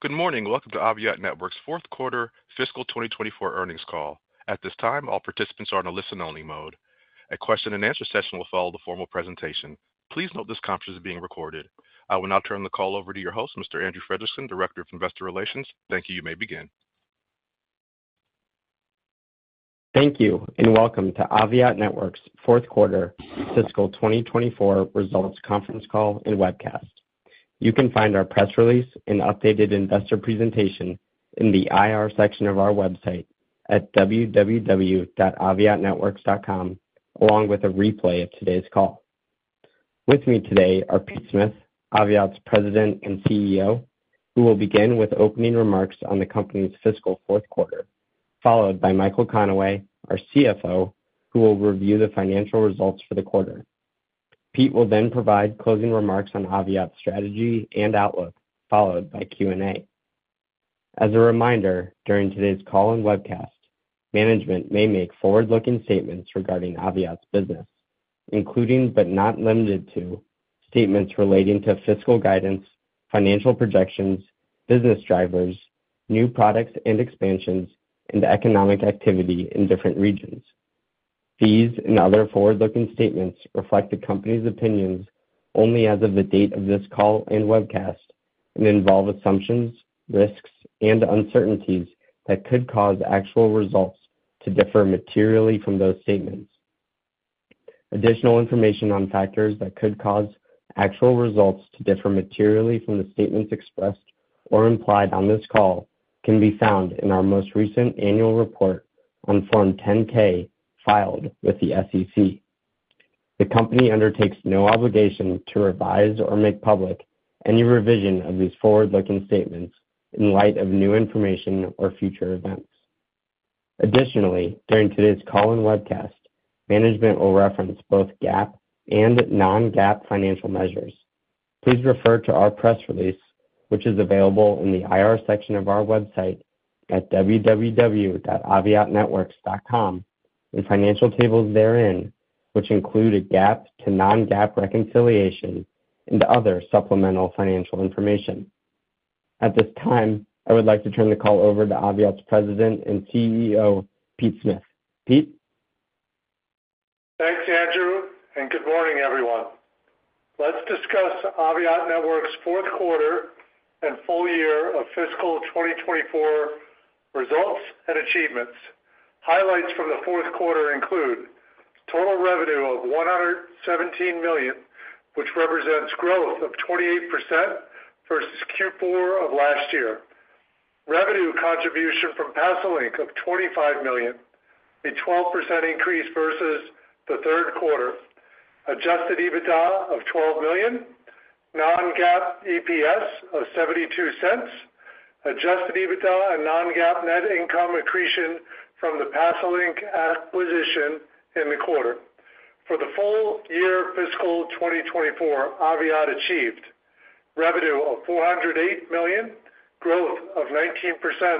Good morning. Welcome to Aviat Networks' Fourth Quarter Fiscal 2024 Earnings call. At this time, all participants are on a listen-only mode. A question-and-answer session will follow the formal presentation. Please note this conference is being recorded. I will now turn the call over to your host, Mr. Andrew Fredrickson, Director of Investor Relations. Thank you. You may begin. Thank you, and welcome to Aviat Networks' Fourth Quarter Fiscal 2024 Results conference call and webcast. You can find our press release and updated investor presentation in the IR section of our website at www.aviatnetworks.com, along with a replay of today's call. With me today are Pete Smith, Aviat's President and CEO, who will begin with opening remarks on the company's fiscal fourth quarter, followed by Michael Connaway, our CFO, who will review the financial results for the quarter. Pete will then provide closing remarks on Aviat's strategy and outlook, followed by Q&A. As a reminder, during today's call and webcast, management may make forward-looking statements regarding Aviat's business, including but not limited to statements relating to fiscal guidance, financial projections, business drivers, new products and expansions, and economic activity in different regions. These and other forward-looking statements reflect the company's opinions only as of the date of this call and webcast, and involve assumptions, risks, and uncertainties that could cause actual results to differ materially from those statements. Additional information on factors that could cause actual results to differ materially from the statements expressed or implied on this call can be found in our most recent annual report on Form 10-K filed with the SEC. The company undertakes no obligation to revise or make public any revision of these forward-looking statements in light of new information or future events. Additionally, during today's call and webcast, management will reference both GAAP and non-GAAP financial measures. Please refer to our press release, which is available in the IR section of our website at www.aviatnetworks.com, and financial tables therein, which include a GAAP to non-GAAP reconciliation and other supplemental financial information. At this time, I would like to turn the call over to Aviat's President and CEO, Pete Smith. Pete? Thanks, Andrew, and good morning, everyone. Let's discuss Aviat Networks' fourth quarter and full year of fiscal 2024 results and achievements. Highlights from the fourth quarter include total revenue of $117 million, which represents growth of 28% versus Q4 of last year. Revenue contribution from Pasolink of $25 million, a 12% increase versus the third quarter. Adjusted EBITDA of $12 million, non-GAAP EPS of $0.72, adjusted EBITDA and non-GAAP net income accretion from the Pasolink acquisition in the quarter. For the full year fiscal 2024, Aviat achieved revenue of $408 million, growth of 19%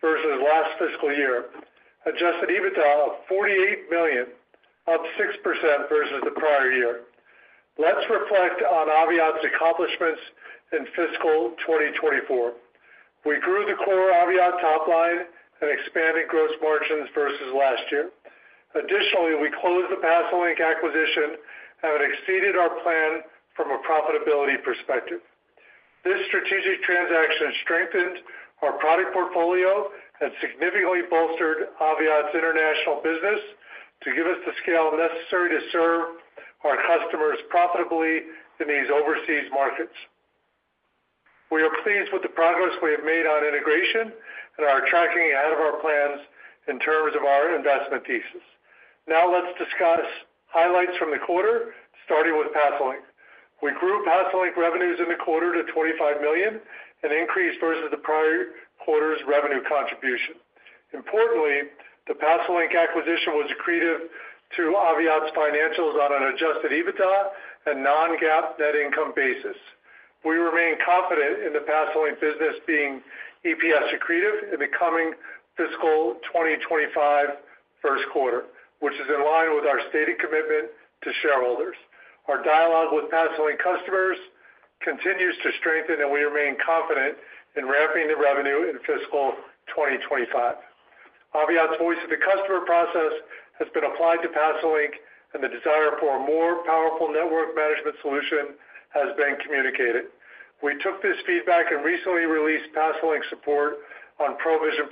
versus last fiscal year. Adjusted EBITDA of $48 million, up 6% versus the prior year. Let's reflect on Aviat's accomplishments in fiscal 2024. We grew the core Aviat top line and expanded gross margins versus last year. Additionally, we closed the Pasolink acquisition and it exceeded our plan from a profitability perspective. This strategic transaction strengthened our product portfolio and significantly bolstered Aviat's international business to give us the scale necessary to serve our customers profitably in these overseas markets. We are pleased with the progress we have made on integration and are tracking ahead of our plans in terms of our investment thesis. Now let's discuss highlights from the quarter, starting with Pasolink. We grew Pasolink revenues in the quarter to $25 million, an increase versus the prior quarter's revenue contribution. Importantly, the Pasolink acquisition was accretive to Aviat's financials on an adjusted EBITDA and non-GAAP net income basis. We remain confident in the Pasolink business being EPS accretive in the coming fiscal 2025 first quarter, which is in line with our stated commitment to shareholders. Our dialogue with Pasolink customers continues to strengthen, and we remain confident in ramping the revenue in fiscal 2025. Aviat's voice-of-the-customer process has been applied to Pasolink, and the desire for a more powerful network management solution has been communicated. We took this feedback and recently released Pasolink support on ProVision+,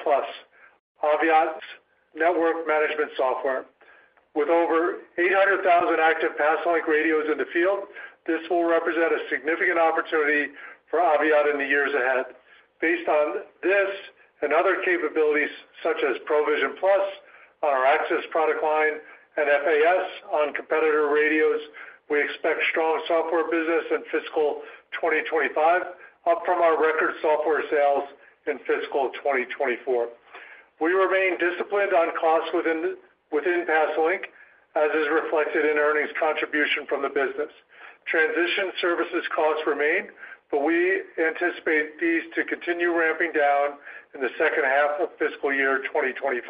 Aviat's network management software. With over 800,000 active Pasolink radios in the field, this will represent a significant opportunity for Aviat in the years ahead. Based on this and other capabilities, such as ProVision+ on our access product line and FAS on competitor radios, we expect strong software business in fiscal 2025, up from our record software sales in fiscal 2024. We remain disciplined on costs within Pasolink, as is reflected in earnings contribution from the business. Transition services costs remain, but we anticipate these to continue ramping down in the second half of fiscal year 2025.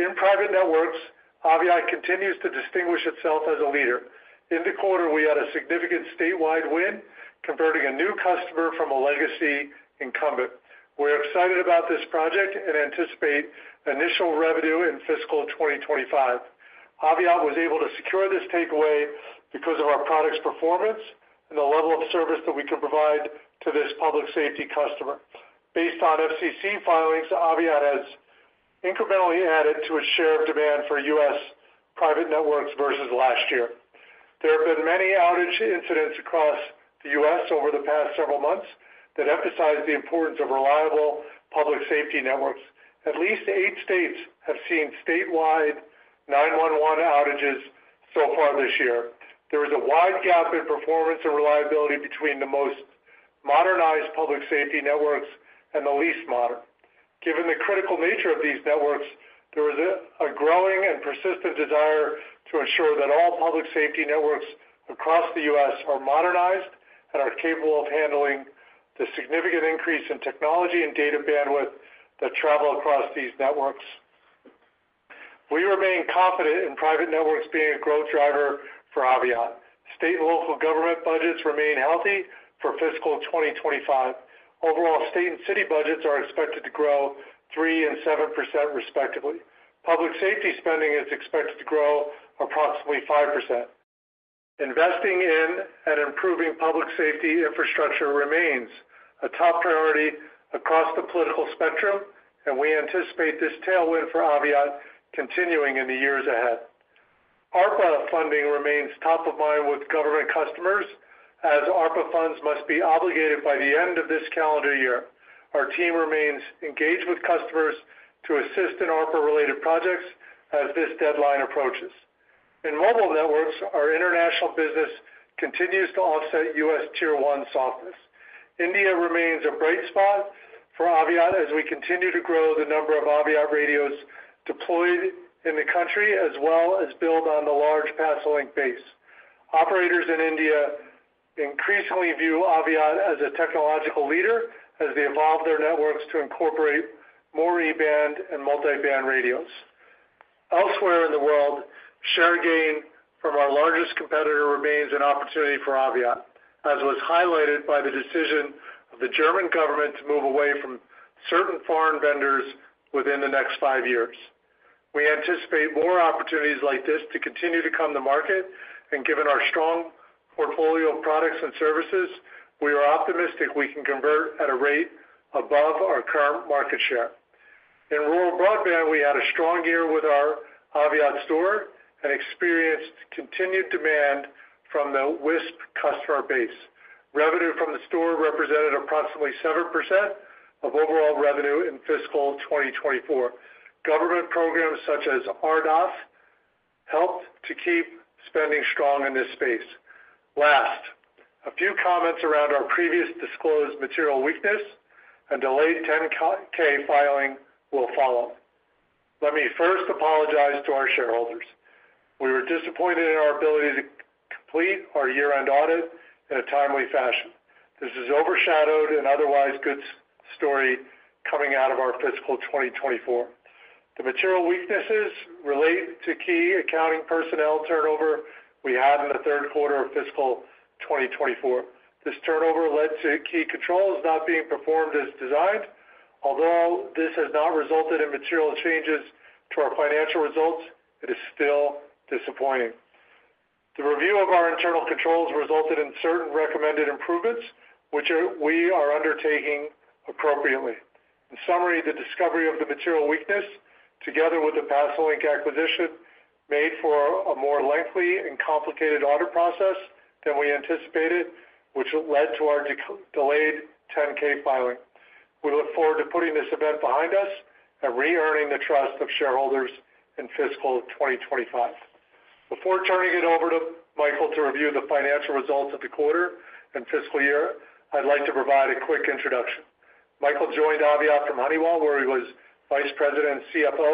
In private networks, Aviat continues to distinguish itself as a leader. In the quarter, we had a significant statewide win, converting a new customer from a legacy incumbent. We're excited about this project and anticipate initial revenue in fiscal 2025. Aviat was able to secure this takeaway because of our product's performance and the level of service that we can provide to this public safety customer. Based on FCC filings, Aviat has incrementally added to a share of demand for U.S. private networks versus last year. There have been many outage incidents across the U.S. over the past several months that emphasize the importance of reliable public safety networks. At least eight states have seen statewide 911 outages so far this year. There is a wide gap in performance and reliability between the most modernized public safety networks and the least modern. Given the critical nature of these networks, there is a growing and persistent desire to ensure that all public safety networks across the U.S. are modernized and are capable of handling the significant increase in technology and data bandwidth that travel across these networks. We remain confident in private networks being a growth driver for Aviat. State and local government budgets remain healthy for fiscal 2025. Overall, state and city budgets are expected to grow 3% and 7%, respectively. Public safety spending is expected to grow approximately 5%. Investing in and improving public safety infrastructure remains a top priority across the political spectrum, and we anticipate this tailwind for Aviat continuing in the years ahead. ARPA funding remains top of mind with government customers, as ARPA funds must be obligated by the end of this calendar year. Our team remains engaged with customers to assist in ARPA-related projects as this deadline approaches. In mobile networks, our international business continues to offset U.S. Tier 1 softness. India remains a bright spot for Aviat as we continue to grow the number of Aviat radios deployed in the country, as well as build on the large Pasolink base. Operators in India increasingly view Aviat as a technological leader as they evolve their networks to incorporate more E-band and multiband radios. Elsewhere in the world, share gain from our largest competitor remains an opportunity for Aviat, as was highlighted by the decision of the German government to move away from certain foreign vendors within the next five years. We anticipate more opportunities like this to continue to come to market, and given our strong portfolio of products and services, we are optimistic we can convert at a rate above our current market share. In rural broadband, we had a strong year with our Aviat Store and experienced continued demand from the WISP customer base. Revenue from the store represented approximately 7% of overall revenue in fiscal 2024. Government programs, such as RDOF, helped to keep spending strong in this space. Last, a few comments around our previous disclosed material weakness and delayed 10-K filing will follow. Let me first apologize to our shareholders. We were disappointed in our ability to complete our year-end audit in a timely fashion. This has overshadowed an otherwise good story coming out of our fiscal 2024. The material weaknesses relate to key accounting personnel turnover we had in the third quarter of fiscal 2024. This turnover led to key controls not being performed as designed. Although this has not resulted in material changes to our financial results, it is still disappointing. The review of our internal controls resulted in certain recommended improvements, which we are undertaking appropriately. In summary, the discovery of the material weakness, together with the Pasolink acquisition, made for a more lengthy and complicated audit process than we anticipated, which led to our delayed 10-K filing. We look forward to putting this event behind us and re-earning the trust of shareholders in fiscal 2025. Before turning it over to Michael to review the financial results of the quarter and fiscal year, I'd like to provide a quick introduction. Michael joined Aviat from Honeywell, where he was Vice President and CFO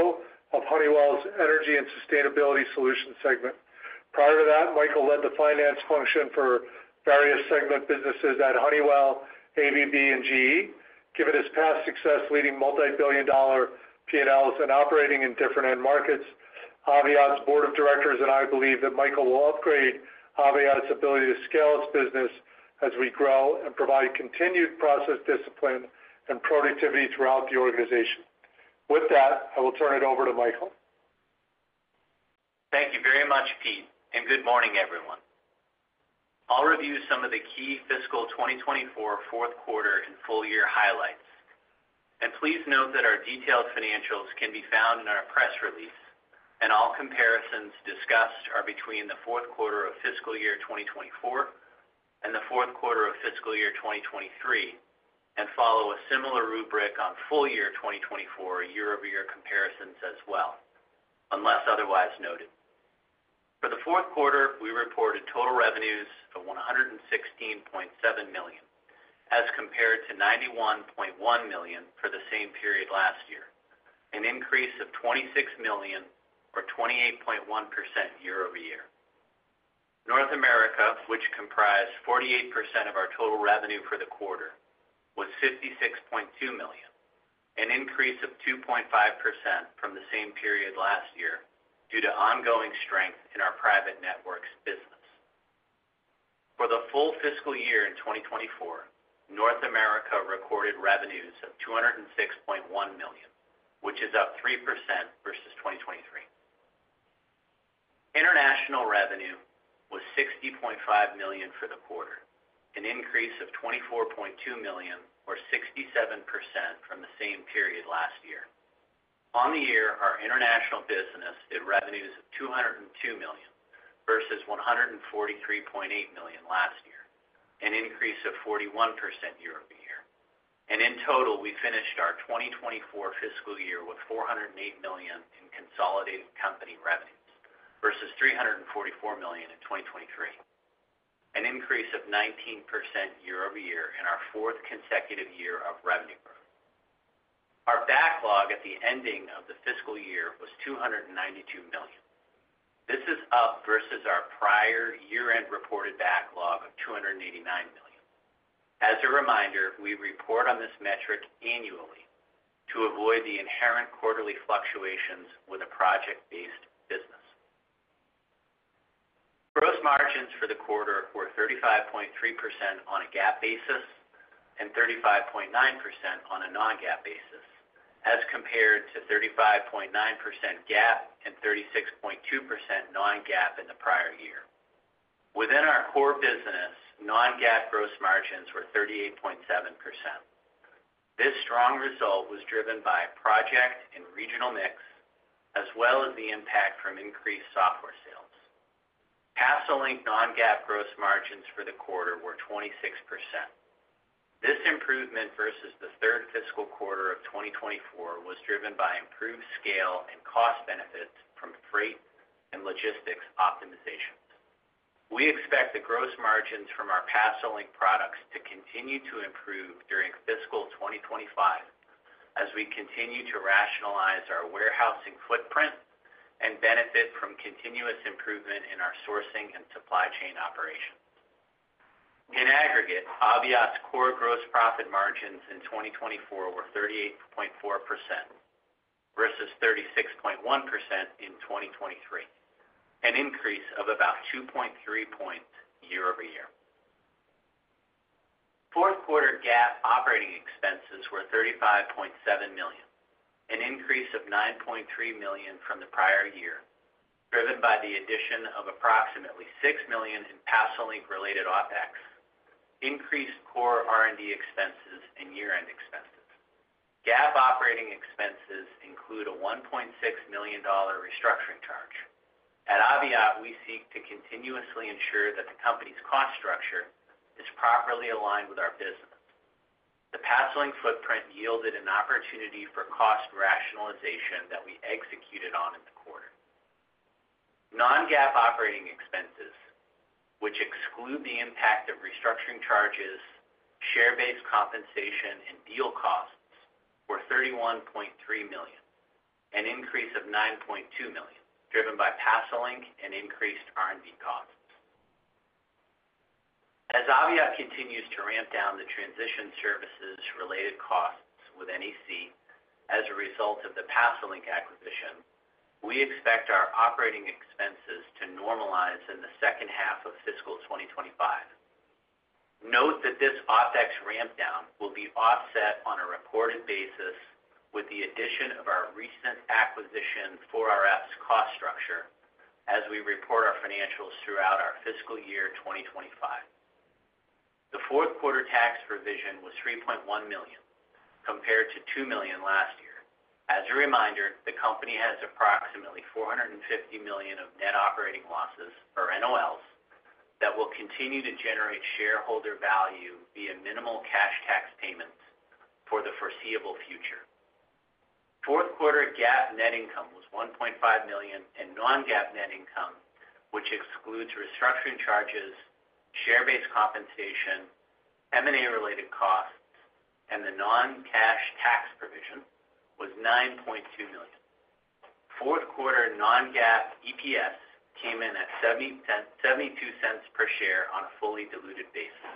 of Honeywell's Energy and Sustainability Solutions segment. Prior to that, Michael led the finance function for various segment businesses at Honeywell, ABB and GE. Given his past success leading multibillion-dollar P&Ls and operating in different end markets, Aviat's Board of Directors and I believe that Michael will upgrade Aviat's ability to scale its business as we grow and provide continued process discipline and productivity throughout the organization. With that, I will turn it over to Michael. Thank you very much, Pete, and good morning, everyone. I'll review some of the key fiscal 2024 fourth quarter and full year highlights, and please note that our detailed financials can be found in our press release, and all comparisons discussed are between the fourth quarter of fiscal year 2024 and the fourth quarter of fiscal year 2023, and follow a similar rubric on full year 2024 year-over-year comparisons as well, unless otherwise noted. For the fourth quarter, we reported total revenues of $116.7 million, as compared to $91.1 million for the same period last year, an increase of $26 million or 28.1% year-over-year. North America, which comprised 48% of our total revenue for the quarter, was $56.2 million, an increase of 2.5% from the same period last year, due to ongoing strength in our private networks business. For the full fiscal year in 2024, North America recorded revenues of $206.1 million, which is up 3% versus 2023. International revenue was $60.5 million for the quarter, an increase of $24.2 million or 67% from the same period last year. On the year, our international business did revenues of $202 million, versus $143.8 million last year, an increase of 41% year-over-year. In total, we finished our 2024 fiscal year with $408 million in consolidated company revenues versus $344 million in 2023, an increase of 19% year-over-year and our fourth consecutive year of revenue growth. Our backlog at the ending of the fiscal year was $292 million. This is up versus our prior year-end reported backlog of $289 million. As a reminder, we report on this metric annually to avoid the inherent quarterly fluctuations with a project-based business. Gross margins for the quarter were 35.3% on a GAAP basis and 35.9% on a non-GAAP basis, as compared to 35.9% GAAP and 36.2% non-GAAP in the prior year. Within our core business, non-GAAP gross margins were 38.7%. This strong result was driven by project and regional mix, as well as the impact from increased software sales. Pasolink non-GAAP gross margins for the quarter were 26%. This improvement versus the third fiscal quarter of 2024 was driven by improved scale and cost benefits from freight and logistics optimizations. We expect the gross margins from our Pasolink products to continue to improve during fiscal 2025, as we continue to rationalize our warehousing footprint and benefit from continuous improvement in our sourcing and supply chain operations. In aggregate, Aviat's core gross profit margins in 2024 were 38.4% versus 36.1% in 2023, an increase of about 2.3 points year-over-year. Fourth quarter GAAP operating expenses were $35.7 million, an increase of $9.3 million from the prior year, driven by the addition of approximately $6 million in Pasolink-related OpEx, increased core R&D expenses, and year-end expenses. GAAP operating expenses include a $1.6 million restructuring charge. At Aviat, we seek to continuously ensure that the company's cost structure is properly aligned with our business. The Pasolink footprint yielded an opportunity for cost rationalization that we executed on in the quarter. Non-GAAP operating expenses, which exclude the impact of restructuring charges, share-based compensation, and deal costs, were $31.3 million, an increase of $9.2 million, driven by Pasolink and increased R&D costs. As Aviat continues to ramp down the transition services related costs with NEC as a result of the Pasolink acquisition, we expect our operating expenses to normalize in the second half of fiscal 2025. Note that this OpEx ramp down will be offset on a reported basis with the addition of our recent acquisition 4RF's cost structure as we report our financials throughout our fiscal year 2025. The fourth quarter tax provision was $3.1 million, compared to $2 million last year. As a reminder, the company has approximately $450 million of net operating losses, or NOLs, that will continue to generate shareholder value via minimal cash tax payments for the foreseeable future. Fourth quarter GAAP net income was $1.5 million, and non-GAAP net income, which excludes restructuring charges, share-based compensation, M&A-related costs, and the non-cash tax provision, was $9.2 million. Fourth quarter non-GAAP EPS came in at $0.72 per share on a fully diluted basis.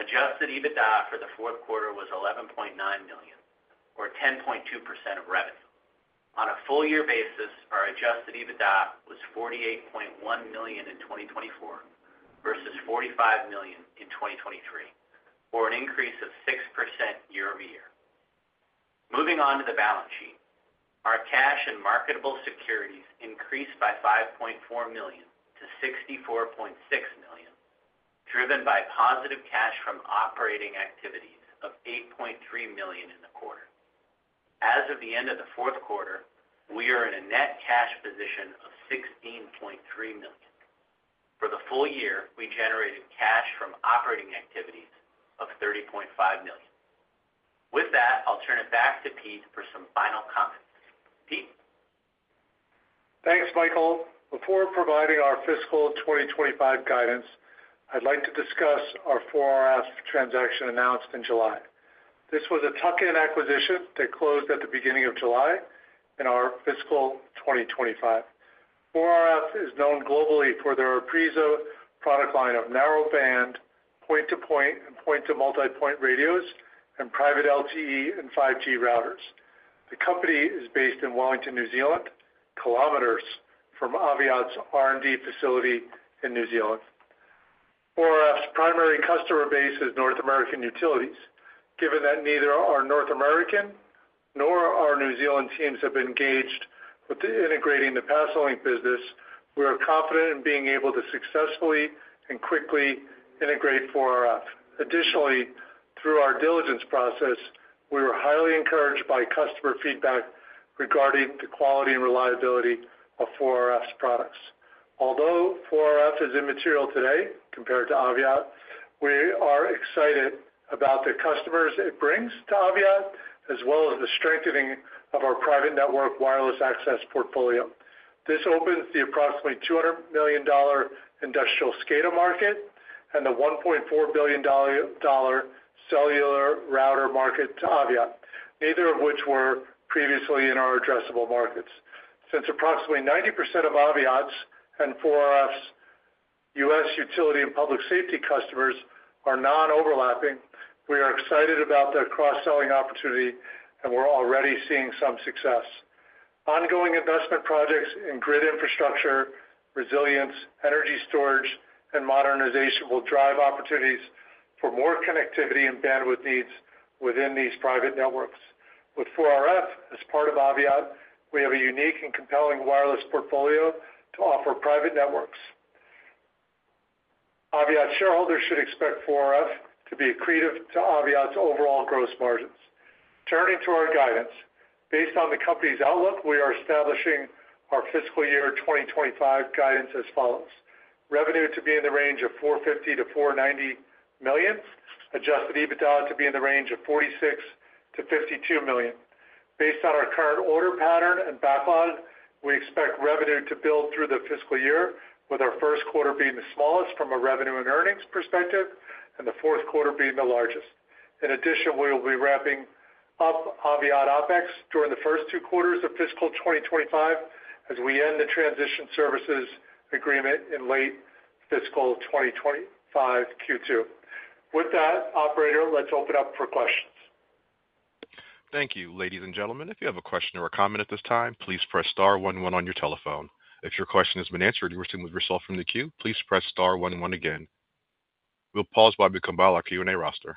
Adjusted EBITDA for the fourth quarter was $11.9 million, or 10.2% of revenue. On a full year basis, our adjusted EBITDA was $48.1 million in 2024 versus $45 million in 2023, or an increase of 6% year-over-year. Moving on to the balance sheet. Our cash and marketable securities increased by $5.4 million to $64.6 million, driven by positive cash from operating activities of $8.3 million in the quarter. As of the end of the fourth quarter, we are in a net cash position of $16.3 million. For the full year, we generated cash from operating activities of $30.5 million. With that, I'll turn it back to Pete for some final comments. Pete? Thanks, Michael. Before providing our fiscal 2025 guidance, I'd like to discuss our 4RF transaction announced in July. This was a tuck-in acquisition that closed at the beginning of July in our fiscal 2025. 4RF is known globally for their Aprisa product line of narrowband, point-to-point and point-to-multipoint radios, and private LTE and 5G routers. The company is based in Wellington, New Zealand, kilometers from Aviat's R&D facility in New Zealand. 4RF's primary customer base is North American utilities. Given that neither our North American nor our New Zealand teams have been engaged with integrating the Pasolink business, we are confident in being able to successfully and quickly integrate 4RF. Additionally, through our diligence process, we were highly encouraged by customer feedback regarding the quality and reliability of 4RF's products. Although 4RF is immaterial today compared to Aviat, we are excited about the customers it brings to Aviat, as well as the strengthening of our private network wireless access portfolio. This opens the approximately $200 million industrial SCADA market and the $1.4 billion cellular router market to Aviat, neither of which were previously in our addressable markets. Since approximately 90% of Aviat's and 4RF's U.S. utility and public safety customers are non-overlapping, we are excited about their cross-selling opportunity, and we're already seeing some success. Ongoing investment projects in grid infrastructure, resilience, energy storage, and modernization will drive opportunities for more connectivity and bandwidth needs within these private networks. With 4RF as part of Aviat, we have a unique and compelling wireless portfolio to offer private networks. Aviat shareholders should expect 4RF to be accretive to Aviat's overall gross margins. Turning to our guidance. Based on the company's outlook, we are establishing our fiscal year 2025 guidance as follows: Revenue to be in the range of $450 million-$490 million, adjusted EBITDA to be in the range of $46 million-$52 million. Based on our current order pattern and backlog, we expect revenue to build through the fiscal year, with our first quarter being the smallest from a revenue and earnings perspective, and the fourth quarter being the largest. In addition, we will be wrapping up Aviat OpEx during the first two quarters of fiscal 2025 as we end the Transition Services Agreement in late fiscal 2025 Q2. With that, operator, let's open up for questions. Thank you. Ladies and gentlemen, if you have a question or a comment at this time, please press star one one on your telephone. If your question has been answered and you're wishing to withdraw from the queue, please press star one one again. We'll pause while we compile our Q&A roster.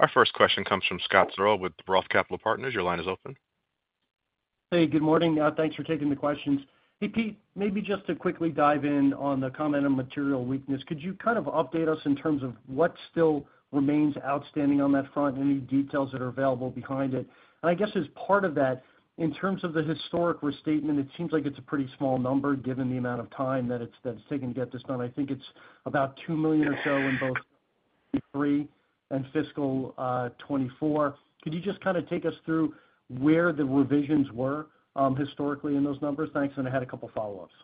Our first question comes from Scott Searle with Roth Capital Partners. Your line is open. Hey, good morning. Thanks for taking the questions. Hey, Pete, maybe just to quickly dive in on the comment on material weakness, could you kind of update us in terms of what still remains outstanding on that front? Any details that are available behind it? And I guess as part of that, in terms of the historic restatement, it seems like it's a pretty small number, given the amount of time that it's taken to get this done. I think it's about $2 million or so in both Q3 and fiscal 2024. Could you just kind of take us through where the revisions were historically in those numbers? Thanks, and I had a couple follow-ups.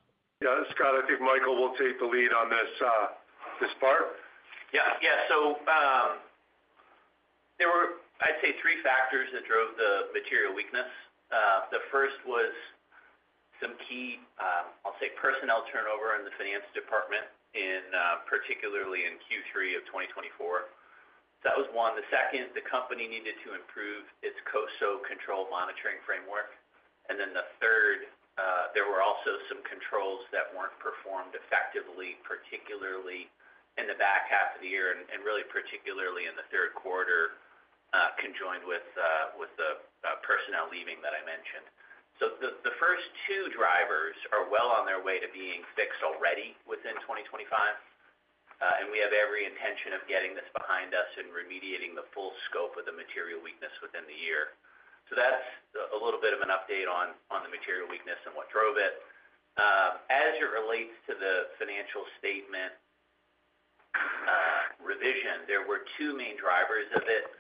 Yeah, Scott, I think Michael will take the lead on this part. Yeah. Yeah. So, there were, I'd say, three factors that drove the material weakness. The first was some key, I'll say, personnel turnover in the finance department in, particularly in Q3 of 2024. So that was one. The second, the company needed to improve its COSO control monitoring framework. And then the third, there were also some controls that weren't performed effectively, particularly in the back half of the year, and really particularly in the third quarter, conjoined with, with the personnel leaving that I mentioned. So the first two drivers are well on their way to being fixed already within 2025, and we have every intention of getting this behind us and remediating the full scope of the material weakness within the year. So that's a little bit of an update on the material weakness and what drove it. As it relates to the financial statement revision, there were two main drivers of it.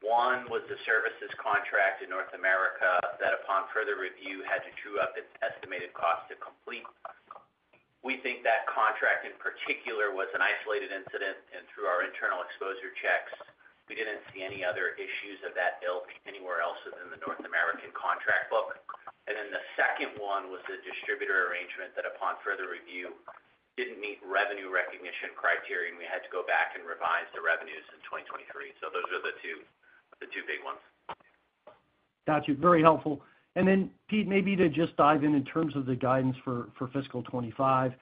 One was the services contract in North America that, upon further review, had to true up its estimated cost to complete. We think that contract, in particular, was an isolated incident, and through our internal exposure checks, we didn't see any other issues of that ilk anywhere else within the North American contract book. And then the second one was the distributor arrangement that, upon further review, didn't meet revenue recognition criteria, and we had to go back and revise the revenues in 2023. So those are the two big ones. Got you. Very helpful. And then, Pete, maybe to just dive in, in terms of the guidance for fiscal 2025.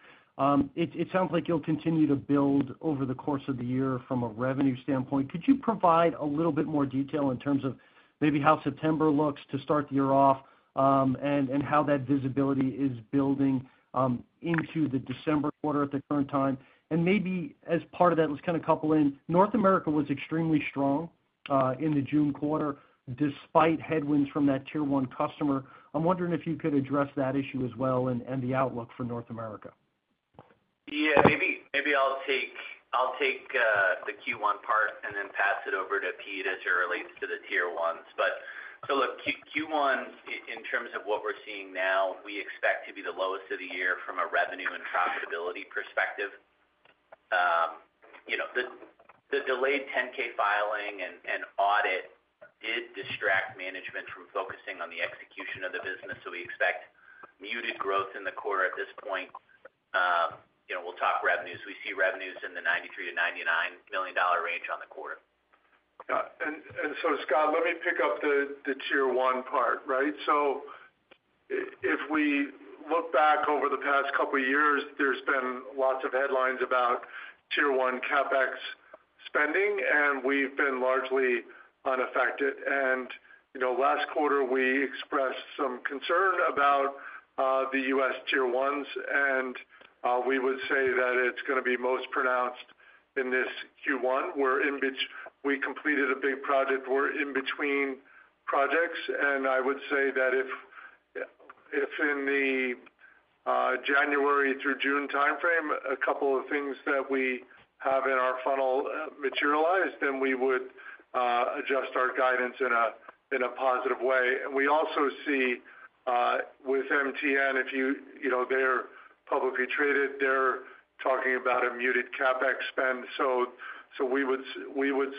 It sounds like you'll continue to build over the course of the year from a revenue standpoint. Could you provide a little bit more detail in terms of maybe how September looks to start the year off, and how that visibility is building into the December quarter at the current time? And maybe as part of that, let's kind of couple in. North America was extremely strong in the June quarter, despite headwinds from that Tier 1 customer. I'm wondering if you could address that issue as well and the outlook for North America.... Yeah, maybe, maybe I'll take, I'll take the Q1 part and then pass it over to Pete as it relates to the Tier 1s, but so look, Q1 in terms of what we're seeing now, we expect to be the lowest of the year from a revenue and profitability perspective. You know, the delayed 10-K filing and audit did distract management from focusing on the execution of the business, so we expect muted growth in the quarter at this point. You know, we'll talk revenues. We see revenues in the $93 million-$99 million range on the quarter. Yeah. And so Scott, let me pick up the Tier 1 part, right? So if we look back over the past couple of years, there's been lots of headlines about Tier 1 CapEx spending, and we've been largely unaffected. And you know, last quarter, we expressed some concern about the U.S. Tier 1s, and we would say that it's gonna be most pronounced in this Q1, in which we completed a big project. We're in between projects, and I would say that if in the January through June timeframe, a couple of things that we have in our funnel materialize, then we would adjust our guidance in a positive way. We also see with MTN, you know, they're publicly traded, they're talking about a muted CapEx spend. We would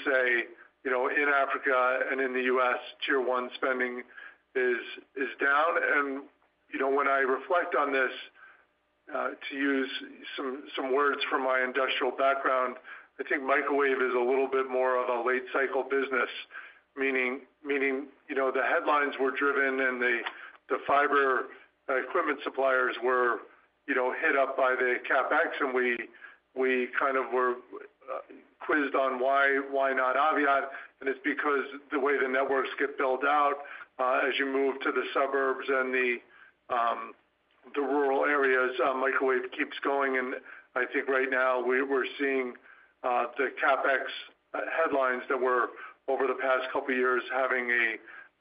say, you know, in Africa and in the U.S., Tier 1 spending is down. And, you know, when I reflect on this, to use some words from my industrial background, I think microwave is a little bit more of a late cycle business, meaning, you know, the headlines were driven and the fiber equipment suppliers were, you know, hit up by the CapEx, and we kind of were quizzed on why not Aviat? And it's because the way the networks get built out, as you move to the suburbs and the rural areas, microwave keeps going. And I think right now, we're seeing the CapEx headlines that were over the past couple of years, having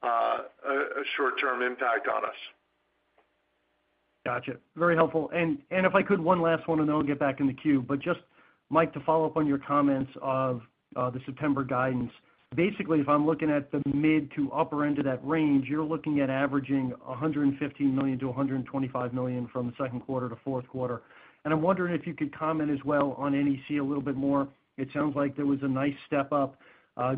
a short-term impact on us. Gotcha. Very helpful. And if I could, one last one, and I'll get back in the queue. But just, Mike, to follow up on your comments of the September guidance. Basically, if I'm looking at the mid to upper end of that range, you're looking at averaging $115 million-$125 million from the second quarter to fourth quarter. And I'm wondering if you could comment as well on NEC a little bit more. It sounds like there was a nice step up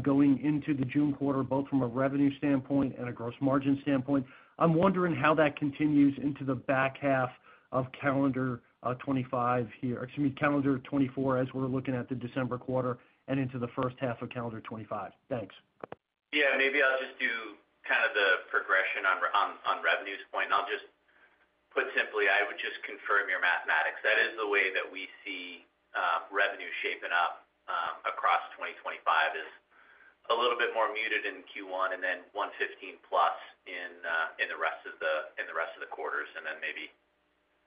going into the June quarter, both from a revenue standpoint and a gross margin standpoint. I'm wondering how that continues into the back half of calendar 2025 here, excuse me, calendar 2024, as we're looking at the December quarter and into the first half of calendar 2025. Thanks. Yeah, maybe I'll just do kind of the progression on revenues point, and I'll just put simply, I would just confirm your mathematics. That is the way that we see revenue shaping up across 2025, is a little bit more muted in Q1 and then $115 plus in the rest of the quarters, and then maybe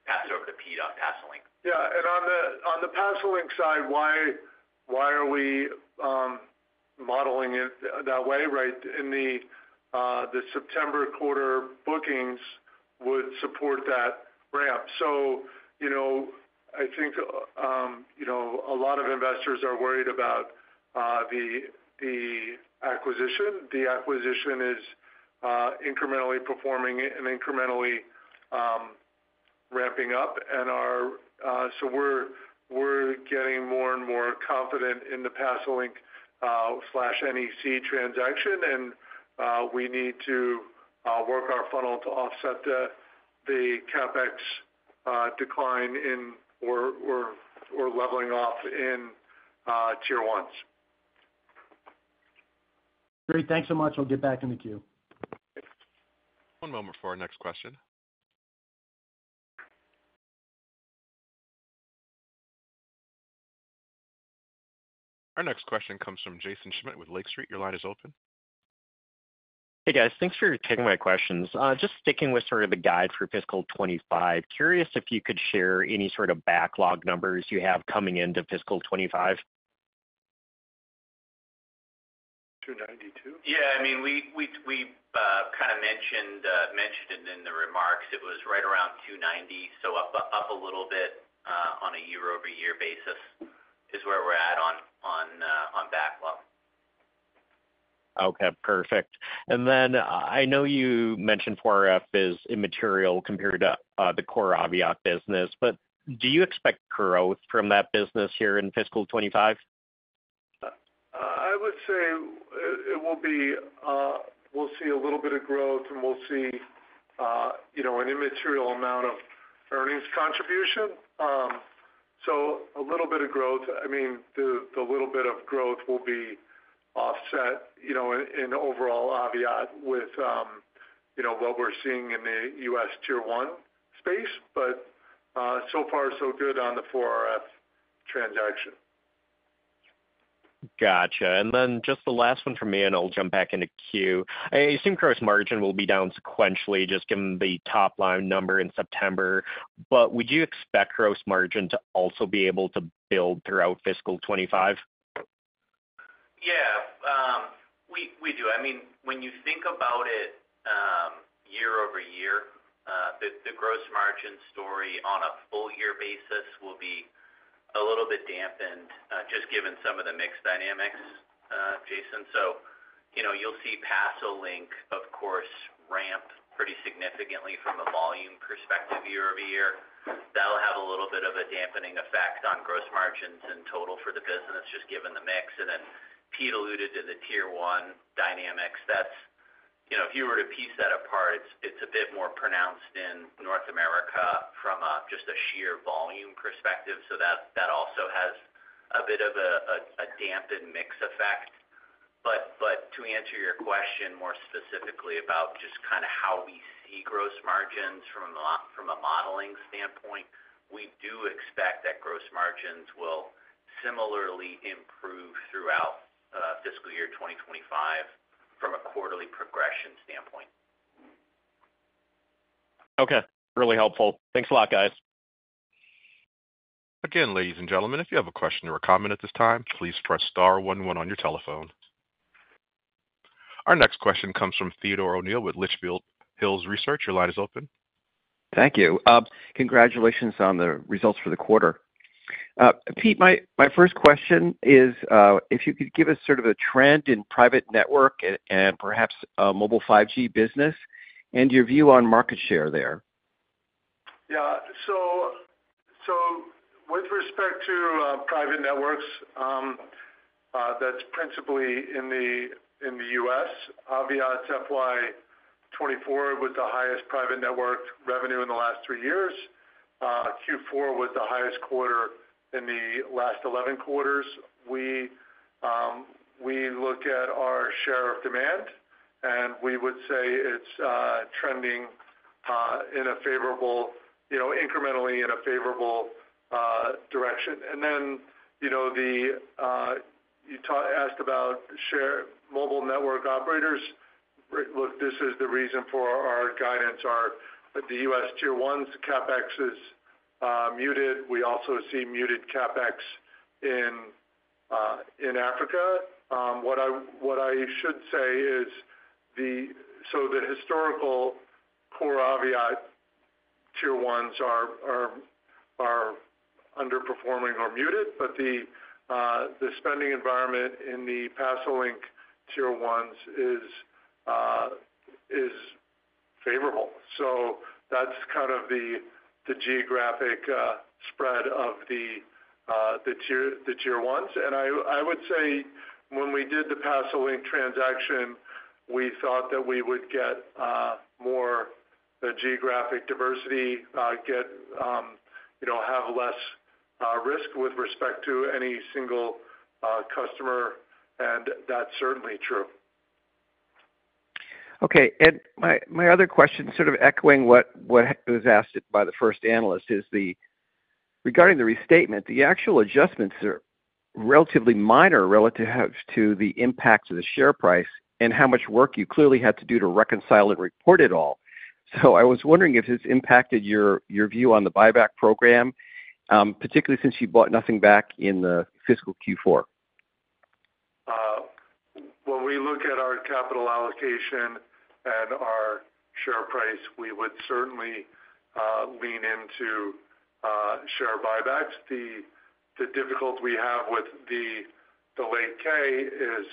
pass it over to Pete on Pasolink. Yeah, and on the Pasolink side, why are we modeling it that way, right? In the September quarter, bookings would support that ramp. So, you know, I think, you know, a lot of investors are worried about the acquisition. The acquisition is incrementally performing and incrementally ramping up, and so we're getting more and more confident in the Pasolink/NEC transaction, and we need to work our funnel to offset the CapEx decline in or leveling off in Tier 1s. Great. Thanks so much. I'll get back in the queue. One moment before our next question. Our next question comes from Jaeson Schmidt with Lake Street. Your line is open. Hey, guys. Thanks for taking my questions. Just sticking with sort of the guide for fiscal 2025, curious if you could share any sort of backlog numbers you have coming into fiscal 2025? $292 million. Yeah, I mean, we kind of mentioned it in the remarks. It was right around $290 million, so up a little bit on a year-over-year basis is where we're at on backlog. Okay, perfect. And then I know you mentioned 4RF is immaterial compared to the core Aviat business, but do you expect growth from that business here in fiscal 2025? I would say it will be. We'll see a little bit of growth, and we'll see, you know, an immaterial amount of earnings contribution, so a little bit of growth. I mean, the little bit of growth will be offset, you know, in overall Aviat with, you know, what we're seeing in the U.S. Tier 1 space, but so far, so good on the 4RF transaction. Gotcha. And then just the last one from me, and I'll jump back in the queue. I assume gross margin will be down sequentially, just given the top line number in September, but would you expect gross margin to also be able to build throughout fiscal 2025?... Yeah, we do. I mean, when you think about it, year over year, the gross margin story on a full year basis will be a little bit dampened, just given some of the mix dynamics, Jaeson. So, you know, you'll see Pasolink, of course, ramp pretty significantly from a volume perspective year-over-year. That'll have a little bit of a dampening effect on gross margins in total for the business, just given the mix. And then Pete alluded to the Tier 1 dynamics. That's, you know, if you were to piece that apart, it's a bit more pronounced in North America from just a sheer volume perspective. So that also has a bit of a dampened mix effect. But to answer your question more specifically about just kinda how we see gross margins from a modeling standpoint, we do expect that gross margins will similarly improve throughout fiscal year 2025 from a quarterly progression standpoint. Okay, really helpful. Thanks a lot, guys. Again, ladies and gentlemen, if you have a question or a comment at this time, please press star one one on your telephone. Our next question comes from Theodore O'Neill with Litchfield Hills Research. Your line is open. Thank you. Congratulations on the results for the quarter. Pete, my first question is, if you could give us sort of a trend in private network and perhaps mobile 5G business and your view on market share there. Yeah. So with respect to private networks, that's principally in the U.S. Aviat's FY 2024 was the highest private network revenue in the last three years. Q4 was the highest quarter in the last 11 quarters. We look at our share of demand, and we would say it's trending in a favorable, you know, incrementally in a favorable direction. And then, you know, you asked about Tier 1 mobile network operators. Look, this is the reason for our guidance: the U.S. Tier 1s' CapEx is muted. We also see muted CapEx in Africa. What I should say is so the historical core Aviat Tier 1s are underperforming or muted, but the spending environment in the Pasolink Tier 1s is favorable. So that's kind of the geographic spread of the Tier 1s. And I would say, when we did the Pasolink transaction, we thought that we would get more geographic diversity, you know, have less risk with respect to any single customer. And that's certainly true. Okay. And my other question, sort of echoing what was asked by the first analyst, is regarding the restatement. The actual adjustments are relatively minor relative to the impact to the share price and how much work you clearly had to do to reconcile and report it all. So I was wondering if this impacted your view on the buyback program, particularly since you bought nothing back in the fiscal Q4. When we look at our capital allocation and our share price, we would certainly lean into share buybacks. The difficult we have with the delayed 10-K is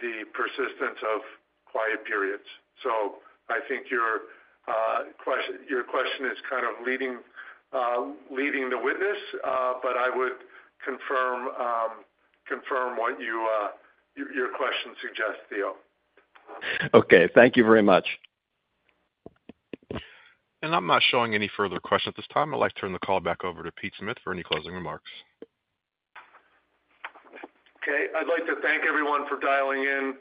the persistence of quiet periods. So I think your question is kind of leading the witness, but I would confirm what your question suggests, Theo. Okay. Thank you very much. I'm not showing any further questions at this time. I'd like to turn the call back over to Pete Smith for any closing remarks. Okay. I'd like to thank everyone for dialing in.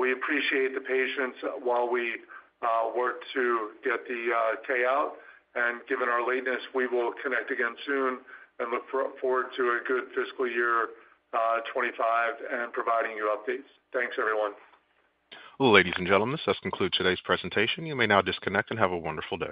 We appreciate the patience while we work to get the 10-K out, and given our lateness, we will connect again soon and look forward to a good fiscal year 2025 and providing you updates. Thanks, everyone. Ladies and gentlemen, this does conclude today's presentation. You may now disconnect and have a wonderful day.